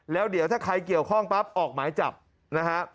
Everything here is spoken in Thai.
แล้วเดี๋ยวถ้าใครเกี่ยวข้องปั๊บออกหมายจับนะฮะ